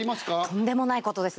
とんでもないことです。